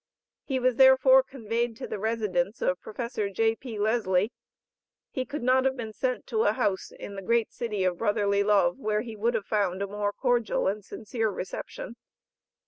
He was therefore conveyed to the residence of Prof. J.P. Lesley. He could not have been sent to a house in the great city of Brotherly Love, where he would have found a more cordial and sincere reception.